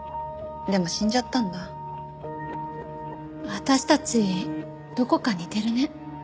私たちどこか似てるね。